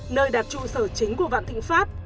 nơi đặt trụ sở chính của vạn thịnh pháp